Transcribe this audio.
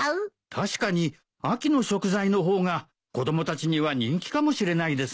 確かに秋の食材の方が子供たちには人気かもしれないですね。